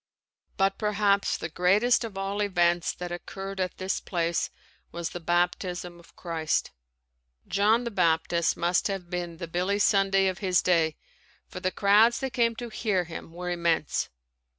But perhaps the greatest of all events that occurred at this place was the baptism of Christ. John the Baptist must have been the Billy Sunday of his day for the crowds that came to hear him were immense.